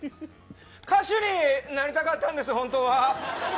歌手になりたかったんです本当は。